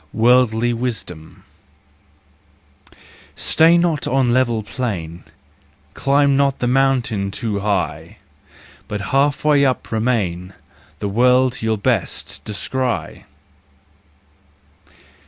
Worldly Wisdom. Stay not on level plain, Climb not the mount too high, But half way up remain— The world you'll best descry!